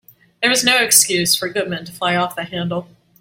There was no excuse for Goodman to fly off the handle.